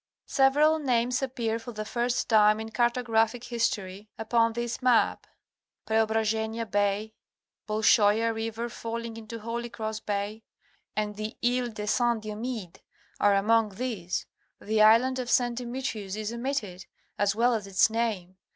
Several names appear for the first time in cartographic history, upon this map. Preobrazhenia Bay ; Bolshoia River falling into Holy Cross Bay, and the "Isle de St. Diomide" are among these. The Island of St. Demetrius is omitted, as well as its name.